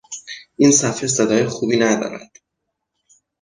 این صفحه صدای خوبی ندارد.